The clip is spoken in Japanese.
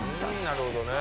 なるほどね。